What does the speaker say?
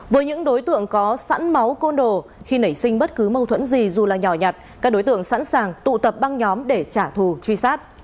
với những đối tượng có sẵn máu côn đồ khi nảy sinh bất cứ mâu thuẫn gì dù là nhỏ nhặt các đối tượng sẵn sàng tụ tập băng nhóm để trả thù truy sát